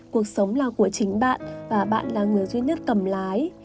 cuộc sống là của chính bạn và bạn là người duy nhất cầm lái